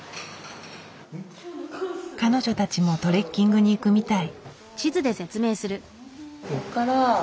彼女たちもトレッキングに行くみたい。